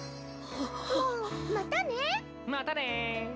もうまたね。またね。